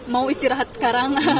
mau istirahat sekarang